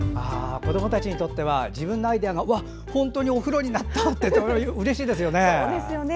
子どもたちにとっては自分のアイデアが本当にお風呂になるとうれしいですよね。